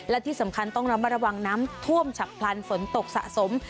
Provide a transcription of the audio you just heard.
และที่สำคัญต้องระมัดระวังน้ำท่วมฉับพลันฝนตกสะสม